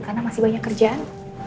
karena masih banyak kerjaan